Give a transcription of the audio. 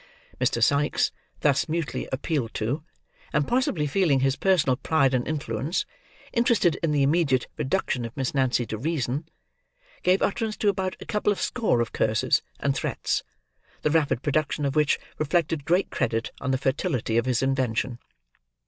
Mr. Sikes, thus mutely appealed to; and possibly feeling his personal pride and influence interested in the immediate reduction of Miss Nancy to reason; gave utterance to about a couple of score of curses and threats, the rapid production of which reflected great credit on the fertility of his invention.